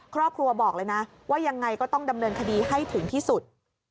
ครอบครัวบอกเลยนะว่ายังไงก็ต้องดำเนินคดีให้ถึงที่สุด